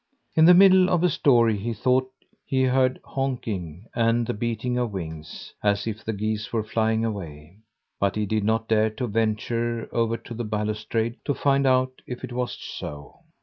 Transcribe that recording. In the middle of a story he thought he heard honking and the beating of wings, as if the geese were flying away, but he did not dare to venture over to the balustrade to find out if it was so.